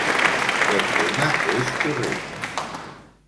Aquest tema és horrible.